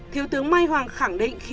thiếu tướng mai hoàng khẳng định khi ấy